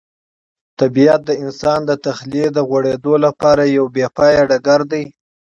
طبیعت د انسان د تخیل د غوړېدو لپاره یو بې پایه ډګر دی.